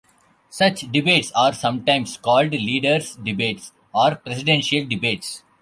Such debates are sometimes called leaders' debates or presidential debates.